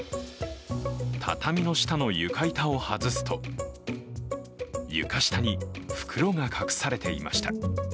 畳の下の床板を外すと床下に袋が隠されていました。